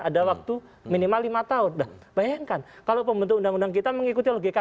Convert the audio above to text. ada waktu minimal lima tahun bayangkan kalau pembentuk undang undang kita mengikuti logika